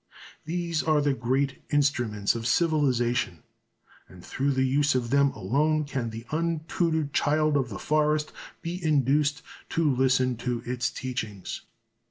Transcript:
These are the great instruments of civilization, and through the use of them alone can the untutored child of the forest be induced to listen to its teachings.